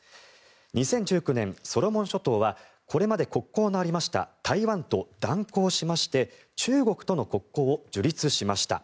２０１９年、ソロモン諸島はこれまで国交のありました台湾と断交しまして中国との国交を樹立しました。